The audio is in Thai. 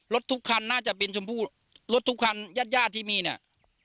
รถทุกคันน่าจะเป็นชมพู่รถทุกคันญาติญาติที่มีเนี่ย